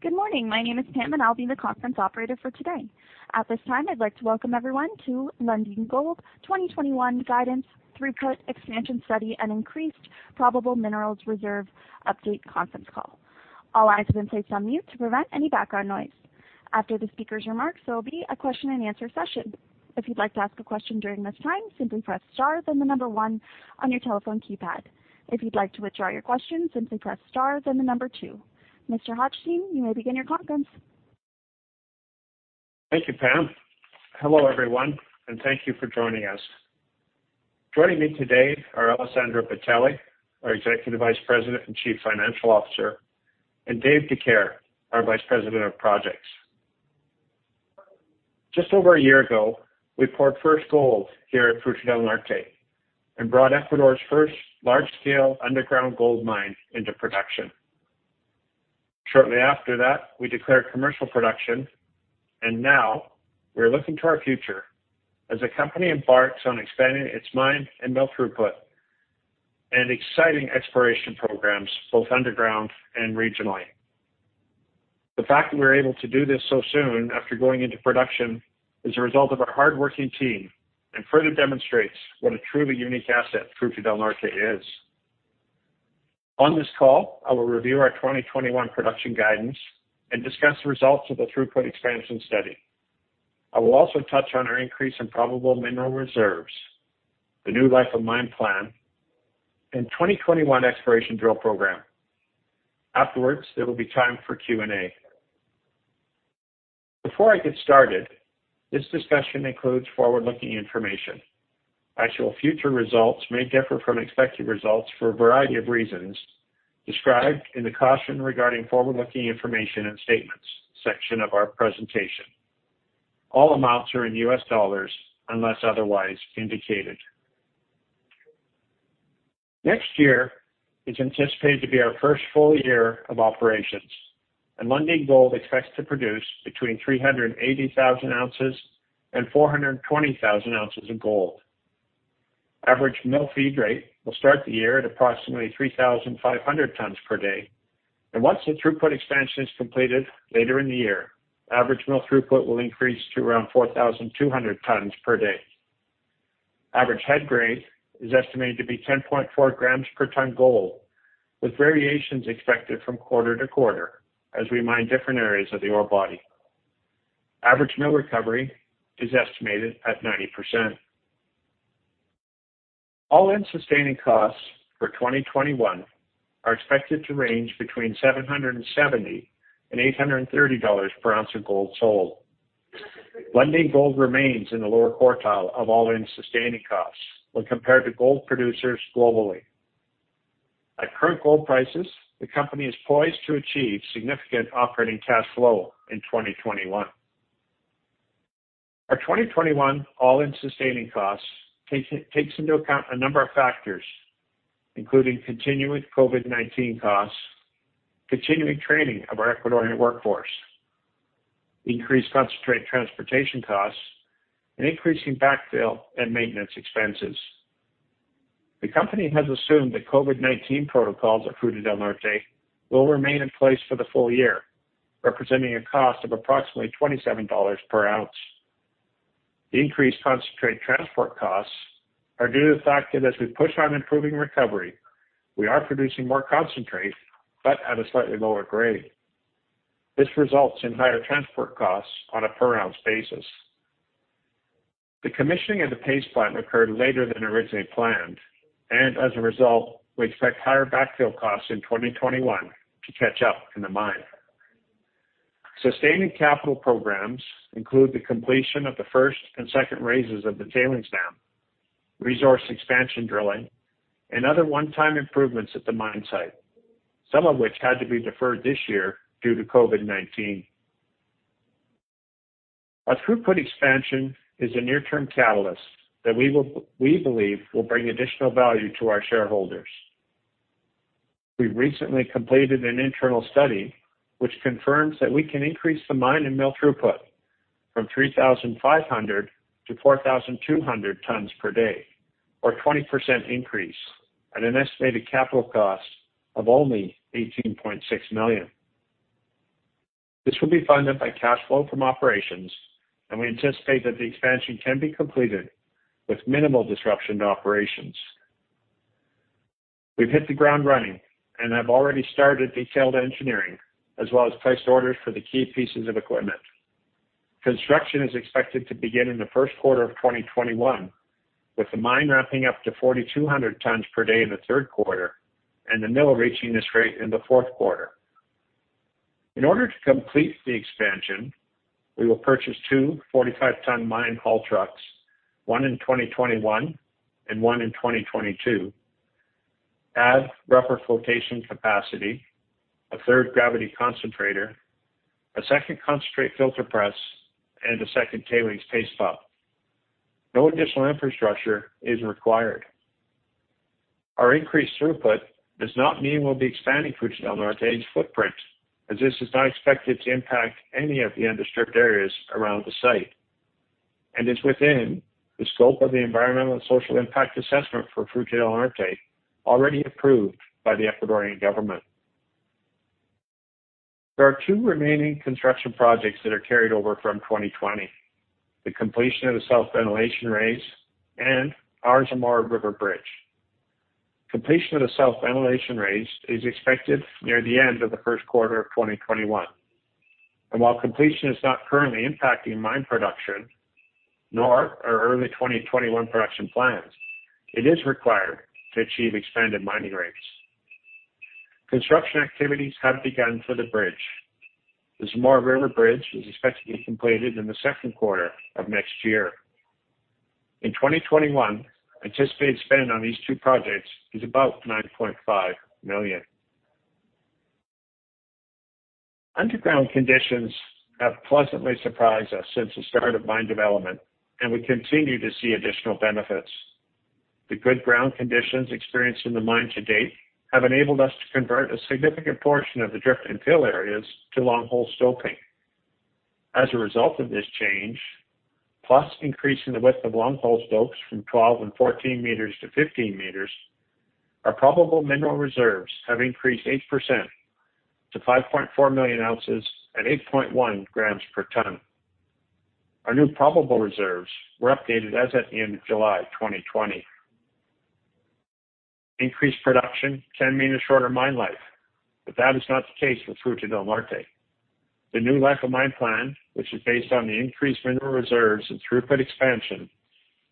Good morning. My name is Pam, and I'll be the conference operator for today. At this time, I'd like to welcome everyone to Lundin Gold 2021 Guidance Throughput Expansion Study and Increased Probable Mineral Reserves Update Conference Call. All lines have been placed on mute to prevent any background noise. After the speaker's remarks, there will be a question-and-answer session. If you'd like to ask a question during this time, simply press star, then the number one on your telephone keypad. If you'd like to withdraw your question, simply press star, then the number two. Mr. Hochstein, you may begin your conference. Thank you, Pam. Hello, everyone, and thank you for joining us. Joining me today are Alessandro Bitelli, our Executive Vice President and Chief Financial Officer, and Dave Dicaire, our Vice President of Projects. Just over a year ago, we poured first gold here at Fruta del Norte and brought Ecuador's first large-scale underground gold mine into production. Shortly after that, we declared commercial production, and now we're looking to our future as the company embarks on expanding its mine and mill throughput and exciting exploration programs, both underground and regionally. The fact that we're able to do this so soon after going into production is a result of our hardworking team and further demonstrates what a truly unique asset Fruta del Norte is. On this call, I will review our 2021 production guidance and discuss the results of the throughput expansion study. I will also touch on our increase in probable mineral reserves, the new life of mine plan, and 2021 exploration drill program. Afterwards, there will be time for Q&A. Before I get started, this discussion includes forward-looking information. Actual future results may differ from expected results for a variety of reasons described in the caution regarding forward-looking information and statements section of our presentation. All amounts are in U.S. dollars unless otherwise indicated. Next year is anticipated to be our first full year of operations, and Lundin Gold expects to produce between 380,000 ounces and 420,000 ounces of gold. Average mill feed rate will start the year at approximately 3,500 tons per day, and once the throughput expansion is completed later in the year, average mill throughput will increase to around 4,200 tons per day. Average head grade is estimated to be 10.4 grams per ton gold, with variations expected from quarter to quarter as we mine different areas of the ore body. Average mill recovery is estimated at 90%. All-in sustaining costs for 2021 are expected to range between $770 and 830 per ounce of gold sold. Lundin Gold remains in the lower quartile of all-in sustaining costs when compared to gold producers globally. At current gold prices, the company is poised to achieve significant operating cash flow in 2021. Our 2021 all-in sustaining costs takes into account a number of factors, including continuing COVID-19 costs, continuing training of our Ecuadorian workforce, increased concentrate transportation costs, and increasing backfill and maintenance expenses. The company has assumed that COVID-19 protocols at Fruta del Norte will remain in place for the full year, representing a cost of approximately $27 per ounce. The increased concentrate transport costs are due to the fact that as we push on improving recovery, we are producing more concentrate, but at a slightly lower grade. This results in higher transport costs on a per ounce basis. The commissioning of the paste plant occurred later than originally planned, and as a result, we expect higher backfill costs in 2021 to catch up in the mine. Sustaining capital programs include the completion of the first and second raises of the tailings dam, resource expansion drilling, and other one-time improvements at the mine site, some of which had to be deferred this year due to COVID-19. Our throughput expansion is a near-term catalyst that we believe will bring additional value to our shareholders. We've recently completed an internal study which confirms that we can increase the mine and mill throughput from 3,500 to 4,200 tons per day, or a 20% increase at an estimated capital cost of only $18.6 million. This will be funded by cash flow from operations, and we anticipate that the expansion can be completed with minimal disruption to operations. We've hit the ground running and have already started detailed engineering as well as placed orders for the key pieces of equipment. Construction is expected to begin in the first quarter of 2021, with the mine ramping up to 4,200 tons per day in the third quarter and the mill reaching this rate in the fourth quarter. In order to complete the expansion, we will purchase two 45-ton mine haul trucks, one in 2021 and one in 2022, add rougher flotation capacity, a third gravity concentrator, a second concentrate filter press, and a second tailings paste pump. No additional infrastructure is required. Our increased throughput does not mean we'll be expanding Fruta del Norte's footprint, as this is not expected to impact any of the undisturbed areas around the site and is within the scope of the environmental and social impact assessment for Fruta del Norte already approved by the Ecuadorian government. There are two remaining construction projects that are carried over from 2020: the completion of the South Ventilation Raise and ours on Zamora River Bridge. Completion of the South Ventilation Raise is expected near the end of the first quarter of 2021. While completion is not currently impacting mine production nor our early 2021 production plans, it is required to achieve expanded mining rates. Construction activities have begun for the bridge. The Zamora River Bridge is expected to be completed in the second quarter of next year. In 2021, anticipated spend on these two projects is about $9.5 million. Underground conditions have pleasantly surprised us since the start of mine development, and we continue to see additional benefits. The good ground conditions experienced in the mine to date have enabled us to convert a significant portion of the drift and fill areas to long-hole stoping. As a result of this change, plus increasing the width of long-hole stopes from 12 and 14 meters to 15 meters, our probable mineral reserves have increased 8% to 5.4 million ounces at 8.1 grams per ton. Our new probable reserves were updated as at the end of July 2020. Increased production can mean a shorter mine life, but that is not the case with Fruta del Norte. The new life of mine plan, which is based on the increased mineral reserves and throughput expansion,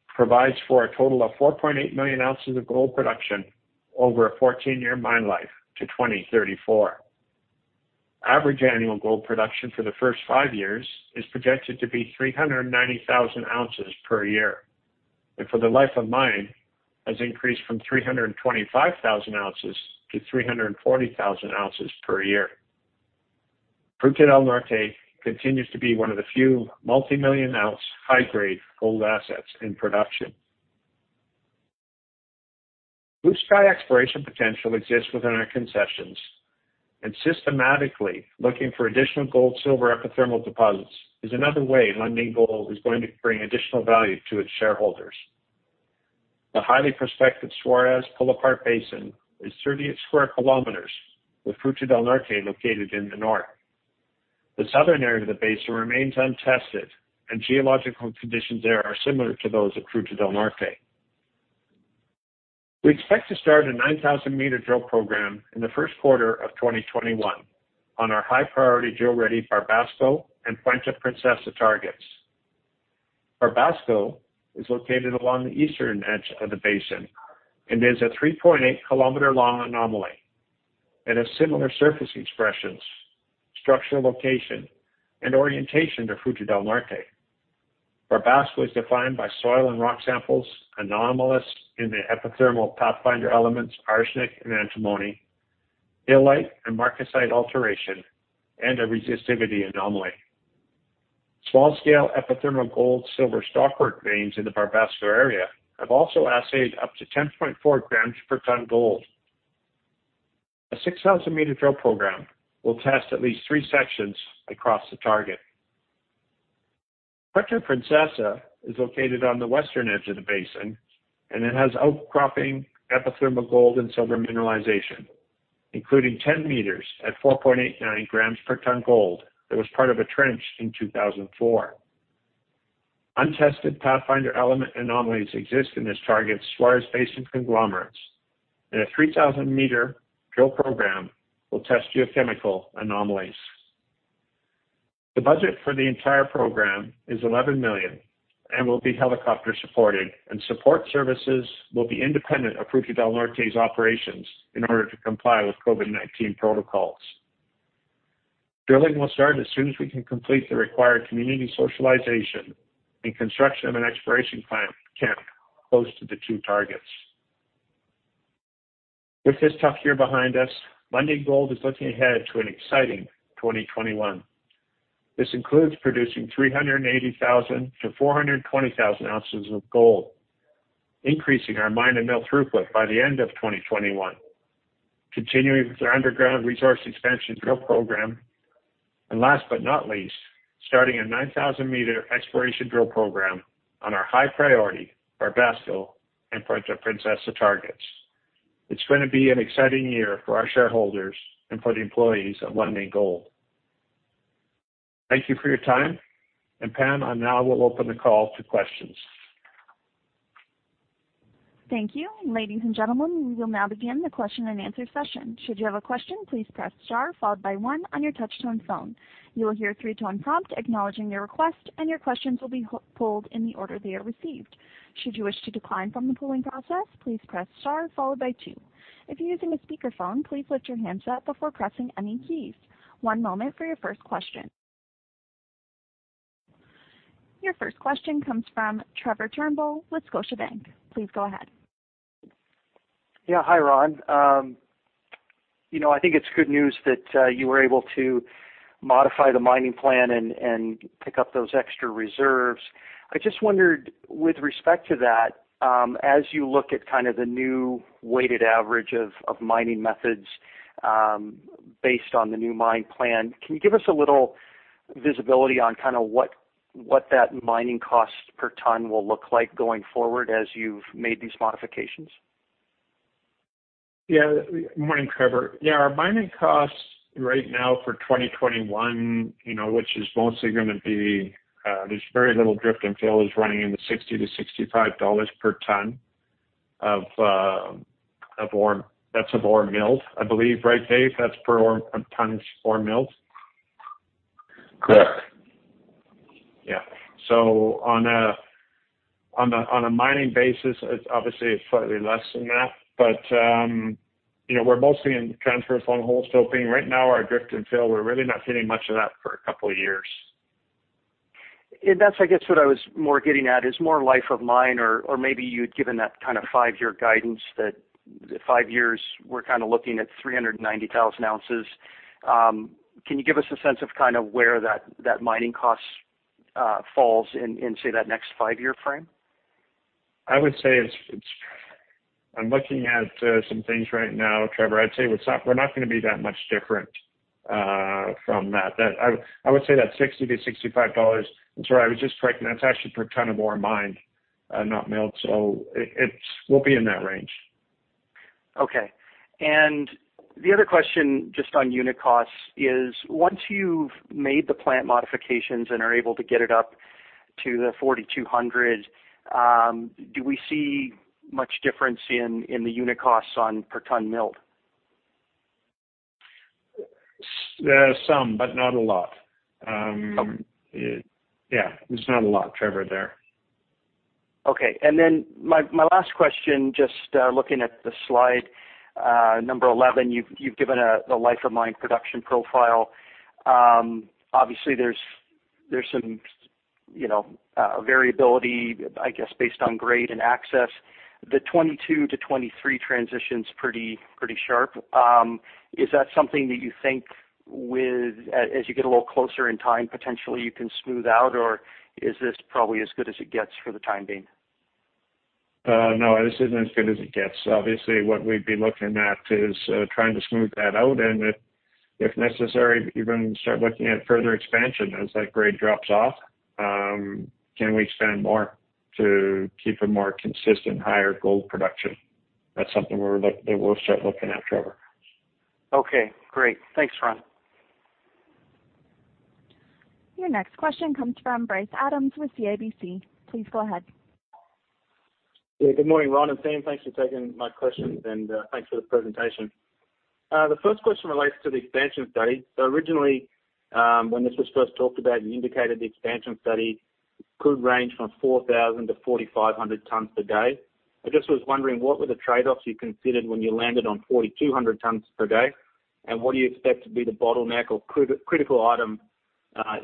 provides for a total of 4.8 million ounces of gold production over a 14-year mine life to 2034. Average annual gold production for the 1st five years is projected to be 390,000 ounces per year, and for the life of mine, has increased from 325,000 ounces to 340,000 ounces per year. Fruta del Norte continues to be one of the few multi-million-ounce high-grade gold assets in production. Blue Sky exploration potential exists within our concessions, and systematically looking for additional gold-silver epithermal deposits is another way Lundin Gold is going to bring additional value to its shareholders. The highly prospective Suarez Pull-Apart Basin is 38 sq km, with Fruta del Norte located in the north. The southern area of the basin remains untested, and geological conditions there are similar to those at Fruta del Norte. We expect to start a 9,000-m drill program in the first quarter of 2021 on our high-priority drill-ready Barbasco and Puente-Princesa targets. Barbasco is located along the eastern edge of the basin and is a 3.8-km-long anomaly that has similar surface expressions, structural location, and orientation to Fruta del Norte. Barbasco is defined by soil and rock samples, anomalous in the epithermal pathfinder elements, arsenic and antimony, illite and marcasite alteration, and a resistivity anomaly. Small-scale epithermal gold-silver stockwork veins in the Barbasco area have also assayed up to 10.4 grams per ton gold. A 6,000-m drill program will test at least three sections across the target. Puente-Princesa is located on the western edge of the basin, and it has outcropping epithermal gold and silver mineralization, including 10 meters at 4.89 grams per ton gold that was part of a trench in 2004. Untested pathfinder element anomalies exist in this target's Suarez Basin conglomerates, and a 3,000-meter drill program will test geochemical anomalies. The budget for the entire program is $11 million and will be helicopter supported, and support services will be independent of Fruta del Norte's operations in order to comply with COVID-19 protocols. Drilling will start as soon as we can complete the required community socialization and construction of an exploration camp close to the two targets. With this tough year behind us, Lundin Gold is looking ahead to an exciting 2021. This includes producing 380,000-420,000 ounces of gold, increasing our mine and mill throughput by the end of 2021, continuing with our underground resource expansion drill program, and last but not least, starting a 9,000-meter exploration drill program on our high-priority Barbasco and Puente-Princesa targets. It's going to be an exciting year for our shareholders and for the employees of Lundin Gold. Thank you for your time, and Pam, I now will open the call to questions. Thank you. Ladies and gentlemen, we will now begin the question and answer session. Should you have a question, please press star followed by one on your touch-tone phone. You will hear a three-tone prompt acknowledging your request, and your questions will be pulled in the order they are received. Should you wish to decline from the polling process, please press star followed by two. If you're using a speakerphone, please lift your hands up before pressing any keys. One moment for your first question. Your first question comes from Trevor Turnbull with Scotiabank. Please go ahead. Yeah. Hi, Ron. I think it's good news that you were able to modify the mining plan and pick up those extra reserves. I just wondered, with respect to that, as you look at kind of the new weighted average of mining methods based on the new mine plan, can you give us a little visibility on kind of what that mining cost per ton will look like going forward as you've made these modifications? Yeah. Good morning, Trevor. Yeah. Our mining costs right now for 2021, which is mostly going to be there's very little drift and fill, is running in the $60 to 65 per ton of ore. That's of ore milled, I believe, right, Dave? That's per tons ore milled? Correct. Yeah. So on a mining basis, it's obviously slightly less than that, but we're mostly in transverse long-hole stoping. Right now, our drift and fill, we're really not hitting much of that for a couple of years. That's, I guess, what I was more getting at. It's more life of mine, or maybe you'd given that kind of five-year guidance that five years, we're kind of looking at 390,000 ounces. Can you give us a sense of kind of where that mining cost falls in, say, that next five-year frame? I would say I'm looking at some things right now, Trevor. I'd say we're not going to be that much different from that. I would say that $60 to 65. I'm sorry, I was just correcting that. It's actually per ton of ore mined, not milled, so it will be in that range. Okay, and the other question just on unit costs is, once you've made the plant modifications and are able to get it up to the 4,200, do we see much difference in the unit costs per ton milled? Some, but not a lot. Yeah. There's not a lot, Trevor, there. Okay. And then my last question, just looking at the slide number 11, you've given the life of mine production profile. Obviously, there's some variability, I guess, based on grade and access. The 2022 to 2023 transition's pretty sharp. Is that something that you think, as you get a little closer in time, potentially you can smooth out, or is this probably as good as it gets for the time being? No. This isn't as good as it gets. Obviously, what we'd be looking at is trying to smooth that out and, if necessary, even start looking at further expansion as that grade drops off. Can we expand more to keep a more consistent, higher gold production? That's something that we'll start looking at, Trevor. Okay. Great. Thanks, Ron. Your next question comes from Bryce Adams with CIBC. Please go ahead. Yeah. Good morning, Ron. And thanks for taking my questions, and thanks for the presentation. The first question relates to the expansion study. So originally, when this was first talked about, you indicated the expansion study could range from 4,000-4,500 tons per day. I just was wondering, what were the trade-offs you considered when you landed on 4,200 tons per day, and what do you expect to be the bottleneck or critical item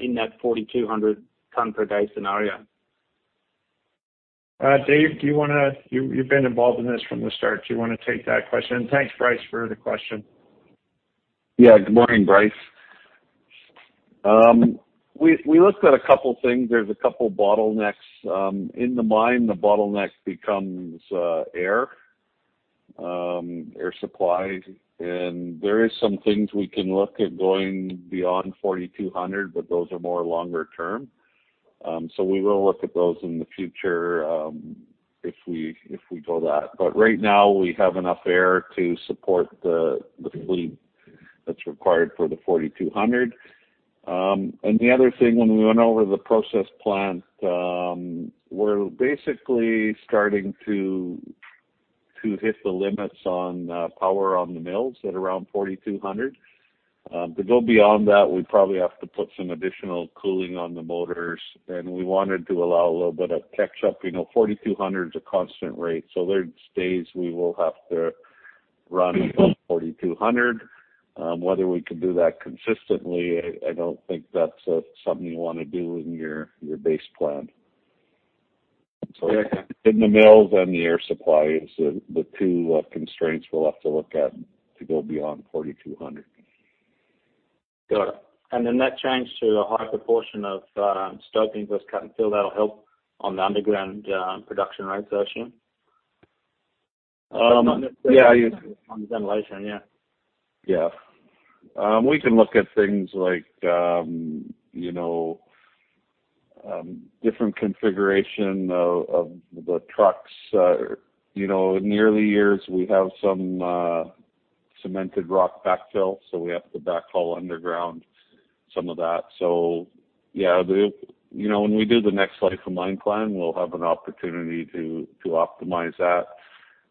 in that 4,200-ton-per-day scenario? Dave, do you want to? You've been involved in this from the start. Do you want to take that question? And thanks, Bryce, for the question. Yeah. Good morning, Bryce. We looked at a couple of things. There's a couple of bottlenecks. In the mine, the bottleneck becomes air, air supply, and there are some things we can look at going beyond 4,200, but those are more longer-term, so we will look at those in the future if we go that, but right now, we have enough air to support the fleet that's required for the 4,200, and the other thing, when we went over the process plant, we're basically starting to hit the limits on power on the mills at around 4,200. To go beyond that, we probably have to put some additional cooling on the motors, and we wanted to allow a little bit of catch-up. 4,200 is a constant rate, so there are days we will have to run above 4,200. Whether we can do that consistently, I don't think that's something you want to do in your base plan. So in the mills and the air supply is the two constraints we'll have to look at to go beyond 4,200. Got it. And then that change to a high proportion of stopes as cut and fill, that'll help on the underground production rate though, Shim? Yeah. You. On the ventilation, yeah. Yeah. We can look at things like different configuration of the trucks. In the early years, we have some cemented rock backfill, so we have to backhaul underground some of that. So yeah, when we do the next life of mine plan, we'll have an opportunity to optimize that,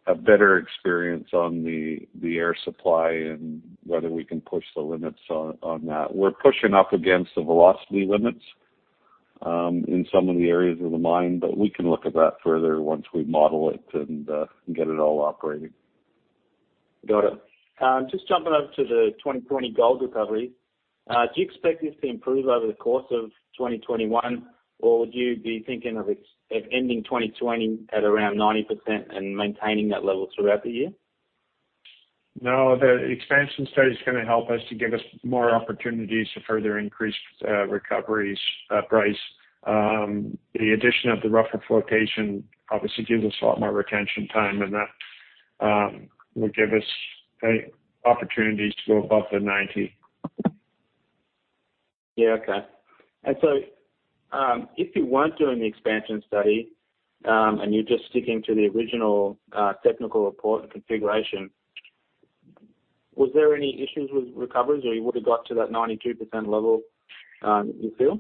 have better experience on the air supply, and whether we can push the limits on that. We're pushing up against the velocity limits in some of the areas of the mine, but we can look at that further once we model it and get it all operating. Got it. Just jumping over to the 2020 gold recovery. Do you expect this to improve over the course of 2021, or would you be thinking of ending 2020 at around 90% and maintaining that level throughout the year? No. The expansion study is going to help us to give us more opportunities to further increase recoveries, Bryce. The addition of the rougher flotation obviously gives us a lot more retention time, and that would give us opportunities to go above the 90%. Yeah. Okay. And so if you weren't doing the expansion study and you're just sticking to the original technical report and configuration, was there any issues with recoveries or you would have got to that 92% level you feel?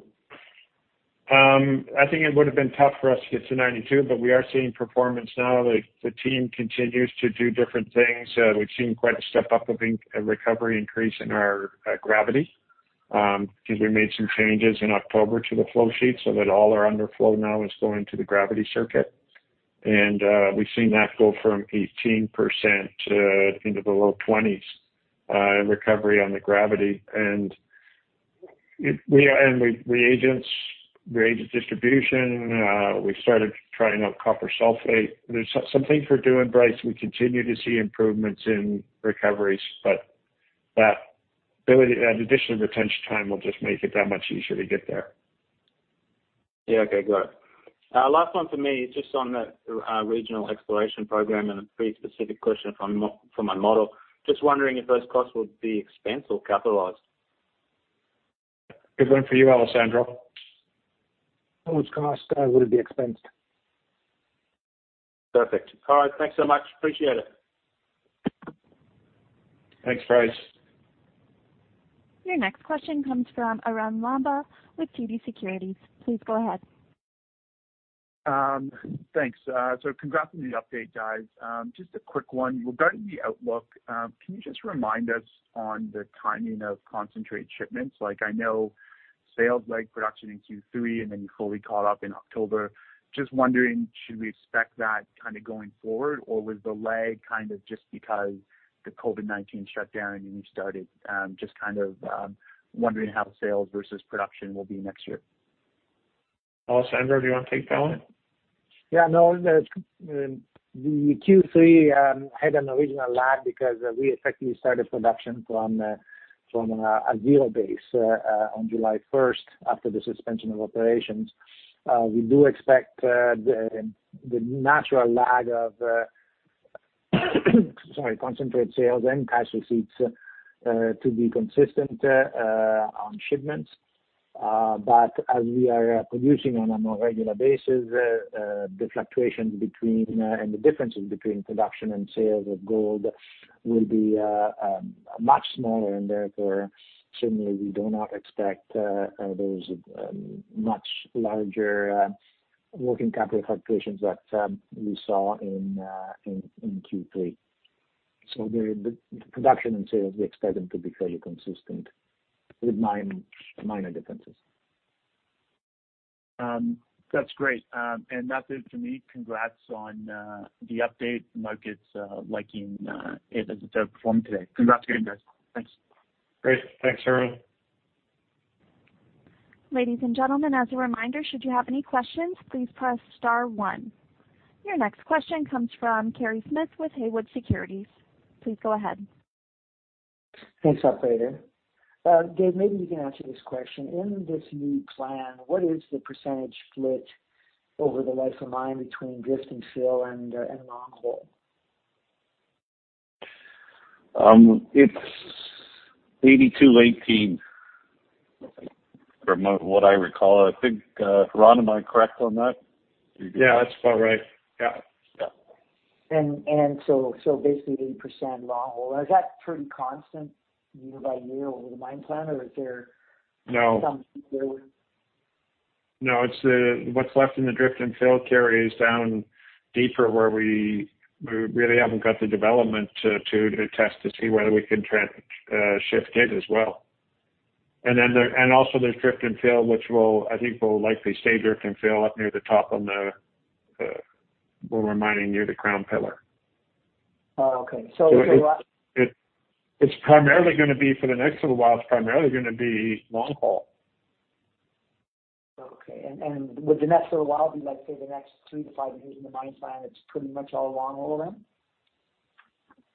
I think it would have been tough for us to get to 92%, but we are seeing performance now. The team continues to do different things. We've seen quite a step up of a recovery increase in our gravity because we made some changes in October to the flow sheet so that all our underflow now is going to the gravity circuit, and we've seen that go from 18% into the low 20s% in recovery on the gravity, and we added distribution. We started trying out copper sulfate. There's some things we're doing, Bryce. We continue to see improvements in recoveries, but that additional retention time will just make it that much easier to get there. Yeah. Okay. Got it. Last one for me, just on that regional exploration program and a pretty specific question from my model. Just wondering if those costs would be expensed or capitalized? Good one for you, Alessandro. What would cost? What would it be expensed? Perfect. All right. Thanks so much. Appreciate it. Thanks, Bryce. Your next question comes from Arun Lamba with TD Securities. Please go ahead. Thanks. So congrats on the update, guys. Just a quick one. Regarding the outlook, can you just remind us on the timing of concentrate shipments? I know sales lagged production in Q3, and then you fully caught up in October. Just wondering, should we expect that kind of going forward, or was the lag kind of just because the COVID-19 shutdown and restart? Just kind of wondering how sales versus production will be next year. Alessandro, do you want to take that one? Yeah. No. The Q3 had an original lag because we effectively started production from a zero base on July 1st after the suspension of operations. We do expect the natural lag of, sorry, concentrate sales and cash receipts to be consistent on shipments. But as we are producing on a more regular basis, the fluctuations and the differences between production and sales of gold will be much smaller, and therefore, certainly, we do not expect those much larger working capital fluctuations that we saw in Q3. So the production and sales, we expect them to be fairly consistent with minor differences. That's great. And that's it for me. Congrats on the update. I hope it's liking it as it performed today. Congrats again, guys. Thanks. Great. Thanks, Arun. Ladies and gentlemen, as a reminder, should you have any questions, please press star one. Your next question comes from Kerry Smith with Haywood Securities. Please go ahead. Thanks, operator. Dave, maybe you can answer this question. In this new plan, what is the percentage split over the life of mine between drift and fill and long hole? It's 82/18 from what I recall. I think, Ron, am I correct on that? Yeah. That's about right. Yeah. Yeah. And so basically 80% long-hole. Is that pretty constant year by year over the mine plan, or is there something there? No. What's left in the drift and fill carries down deeper where we really haven't got the development to test to see whether we can shift it as well. And also, there's drift and fill, which I think will likely stay drift and fill up near the top on the where we're mining near the Crown Pillar. Oh, okay. So it'll be. It's primarily going to be for the next little while. It's primarily going to be long haul. Okay. And would the next little while be like, say, the next three to five years in the mine plan, it's pretty much all long-hole then?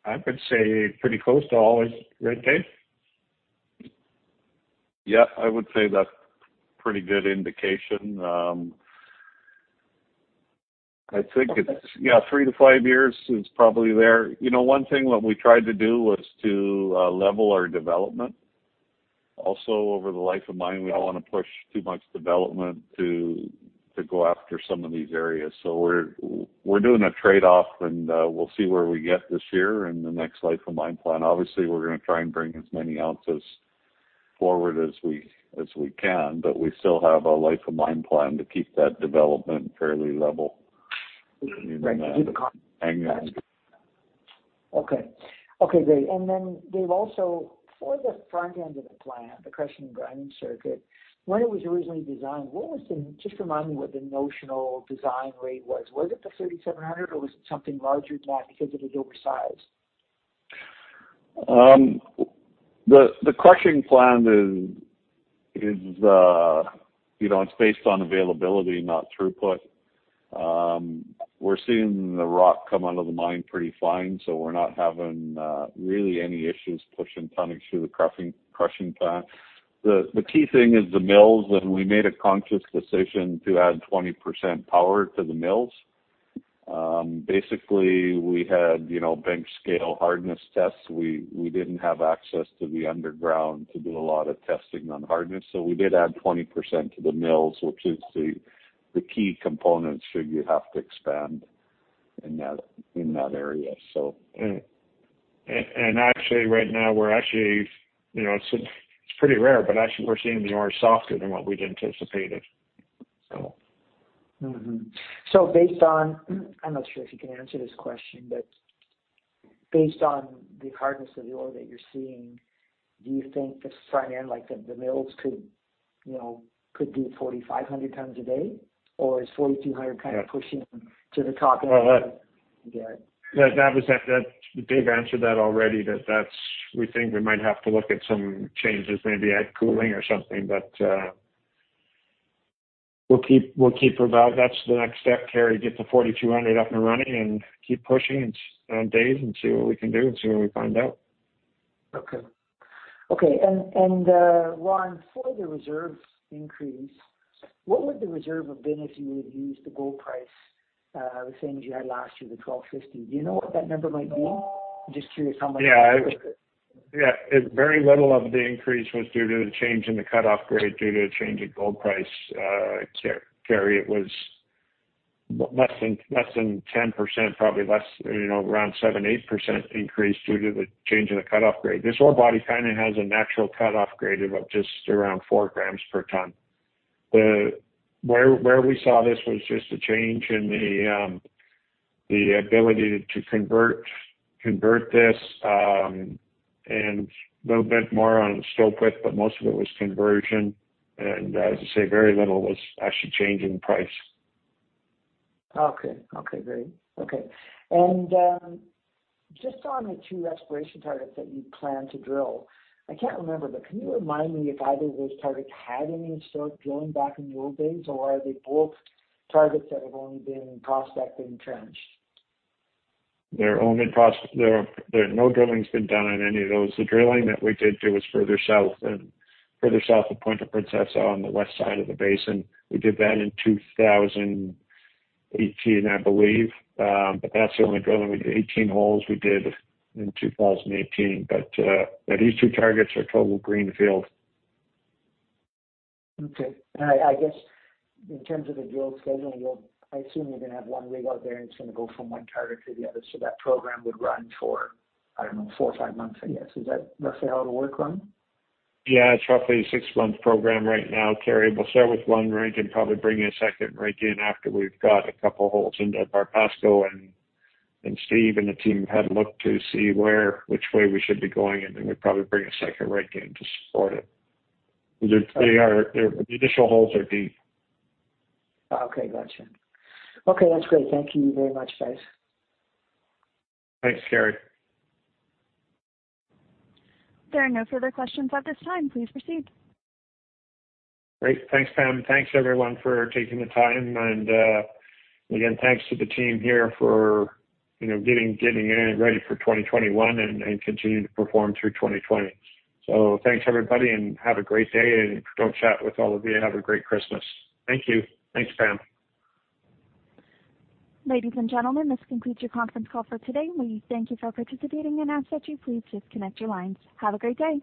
I would say pretty close to always, right, Dave? Yeah. I would say that's a pretty good indication. I think it's yeah, three to five years is probably there. One thing that we tried to do was to level our development. Also, over the life of mine, we don't want to push too much development to go after some of these areas. So we're doing a trade-off, and we'll see where we get this year in the next life of mine plan. Obviously, we're going to try and bring as many ounces forward as we can, but we still have a life of mine plan to keep that development fairly level in hanging. Okay. Okay. Great. And then, Dave, also for the front end of the plan, the crushing and grinding circuit, when it was originally designed, what was the, just remind me what the notional design rate was. Was it the 3,700, or was it something larger than that because it was oversized? The crushing plant is based on availability, not throughput. We're seeing the rock come out of the mine pretty fine, so we're not having really any issues pushing tonnes through the crushing plant. The key thing is the mills, and we made a conscious decision to add 20% power to the mills. Basically, we had bench scale hardness tests. We didn't have access to the underground to do a lot of testing on hardness, so we did add 20% to the mills, which is the key components should you have to expand in that area, so. And actually, right now, we're actually. It's pretty rare, but actually, we're seeing the ore softer than what we'd anticipated, so. So based on, I'm not sure if you can answer this question, but based on the hardness of the ore that you're seeing, do you think the front end, like the mills, could do 4,500 tons a day, or is 4,200 kind of pushing to the top end? Yeah. Dave answered that already, that we think we might have to look at some changes, maybe add cooling or something, but we'll keep that. That's the next step, Kerry, get the 4,200 up and running and keep pushing on days and see what we can do and see what we find out. Okay. Okay. And, Ron, for the reserve increase, what would the reserve have been if you had used the gold price the same as you had last year, the $1,250? Do you know what that number might be? I'm just curious how much it would be. Yeah. Very little of the increase was due to the change in the cutoff grade due to a change in gold price, Kerry. It was less than 10%, probably less, around 7% to 8% increase due to the change in the cutoff grade. This ore body kind of has a natural cutoff grade of just around 4 grams per ton. Where we saw this was just a change in the ability to convert this and a little bit more on the stope width, but most of it was conversion, and as I say, very little was actually changing price. Great. And just on the two exploration targets that you plan to drill, I can't remember, but can you remind me if either of those targets had any start drilling back in the old days, or are they both targets that have only been prospecting trenched? There are only no drilling's been done in any of those. The drilling that we did, it was further south, further south of Puente-Princesa on the west side of the basin. We did that in 2018, I believe, but that's the only drilling we did. 18 holes we did in 2018. But yeah, these two targets are total greenfield. Okay, and I guess in terms of the drill scheduling, I assume you're going to have one rig out there, and it's going to go from one target to the other, so that program would run for, I don't know, four or five months, I guess. Is that roughly how it'll work, Ron? Yeah. It's roughly a six-month program right now, Kerry. We'll start with one rig and probably bring a second rig in after we've got a couple of holes in there. Barbasco and Steve and the team have had a look to see which way we should be going, and then we'd probably bring a second rig in to support it. The initial holes are deep. Okay. Gotcha. Okay. That's great. Thank you very much, guys. Thanks, Kerry. There are no further questions at this time. Please proceed. Great. Thanks, Pam. Thanks, everyone, for taking the time. And again, thanks to the team here for getting ready for 2021 and continuing to perform through 2020. So thanks, everybody, and have a great day. And I'll chat with all of you. Have a great Christmas. Thank you. Thanks, Pam. Ladies and gentlemen, this concludes your conference call for today. We thank you for participating and ask that you please disconnect your lines. Have a great day.